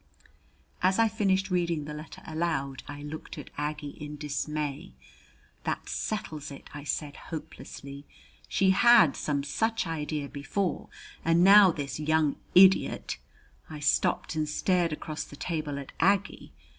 As I finished reading the letter aloud, I looked at Aggie in dismay. "That settles it," I said hopelessly. "She had some such idea before, and now this young idiot " I stopped and stared across the table at Aggie.